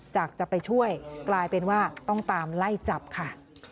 จะไปช่วยกลายเป็นว่าต้องตามไล่จับค่ะ